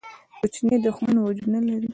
کوچنی دښمن وجود نه لري.